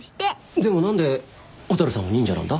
でも何で蛍さんは忍者なんだ？